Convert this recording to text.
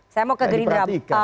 saya mau ke gerindra